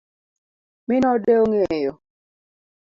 Min ode ong'eyo?